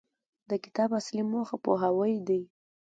د کتاب اصلي موخه پوهاوی دی.